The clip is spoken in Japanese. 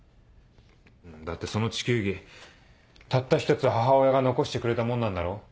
だってその地球儀たった一つ母親が残してくれたものなんだろ？